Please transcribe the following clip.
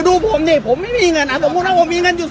ดูผมนี่ผมไม่มีเงินอ่ะสมมุติว่าผมมีเงินอยู่